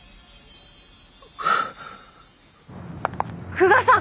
久我さん！